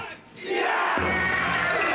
や！